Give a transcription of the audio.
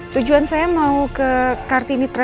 tujuan saya mau ke kartini travel